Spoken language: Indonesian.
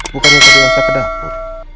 bukannya tadi elsa ke dapur